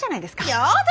やだ。